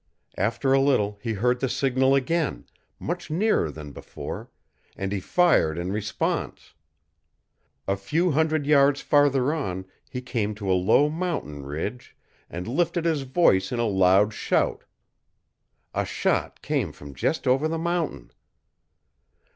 After a little he heard the signal again, much nearer than before, and he fired in response. A few hundred yards farther on he came to a low mountain ridge, and lifted his voice in a loud shout. A shot came from just over the mountain.